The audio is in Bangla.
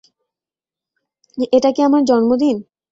এটা কি আমার জন্মদিন?